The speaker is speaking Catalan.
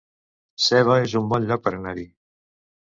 Seva es un bon lloc per anar-hi